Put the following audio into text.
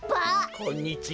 こんにちは。